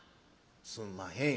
『すんまへん』。